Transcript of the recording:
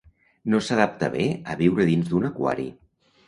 No s'adapta bé a viure dins d'un aquari.